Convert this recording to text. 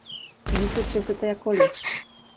Vždyť se třesete jako list.